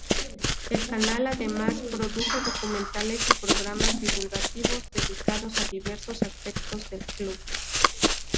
El canal además, produce documentales y programas divulgativos dedicados a diversos aspectos del club.